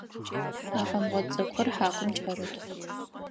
Афэмгъот цӏыкӏур хьакум кӏэрыт.